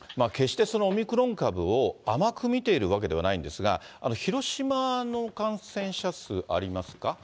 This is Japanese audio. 決してそのオミクロン株を甘く見ているわけではないんですが、広島の感染者数ありますか。